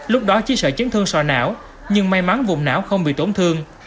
lúc đó chỉ sợ chấn thương sò não nhưng may mắn vùng não không bị tổn thương